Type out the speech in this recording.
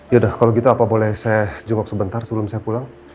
ya udah kalau gitu apa boleh saya jungkok sebentar sebelum saya pulang